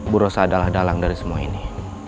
buruh salva adalah dalang dari semua ini